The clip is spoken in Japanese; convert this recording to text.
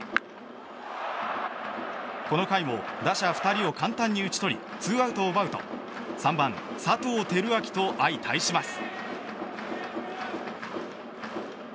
この回も打者２人を簡単に打ち取りツーアウトを奪うと３番、佐藤輝明と相対します。